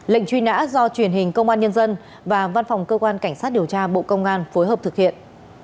lệnh truy nã do truyền hình công an nhân dân và văn phòng cơ quan cảnh sát điều tra bộ công an phối hợp thực hiện